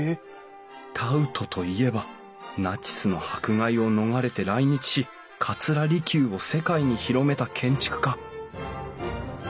タウトといえばナチスの迫害を逃れて来日し桂離宮を世界に広めた建築家！